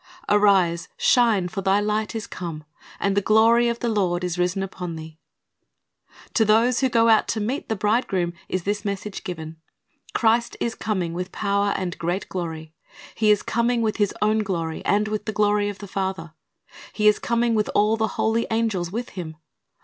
"Arise, shine; for thy light is come, and the glory of the Lord is risen upon thee."^ To those who go out to meet the Bridegroom is this message given. Christ is coming with power and great glory. He is coming with His own glory, and with the glory of the Father. He is coming with all the holy angels with Him.